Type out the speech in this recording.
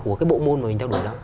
của cái bộ môn mà mình theo đuổi đó